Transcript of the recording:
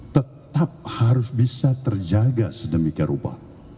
tetap harus bisa terjaga sedemikian rupa